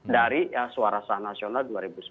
dari suara sah nasional dua ribu sembilan belas